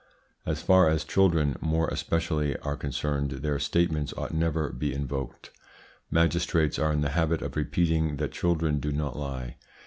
As far as children, more especially, are concerned, their statements ought never to be invoked. Magistrates are in the habit of repeating that children do not lie.